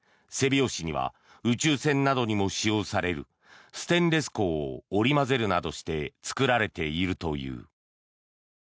表紙には宇宙船などにも使用されるステンレス鋼を織り交ぜるなどして作られているという。